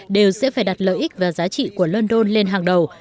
đều sẽ phải đặt lợi ích và giá trị của london lên hàng đầu